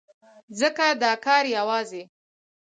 ځکه دا کار يوازې